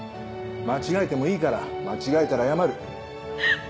間違えてもいいから間違えたら謝る。